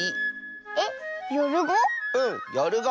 えっ「よるご」？